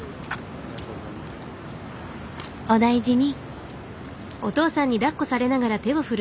お大事に。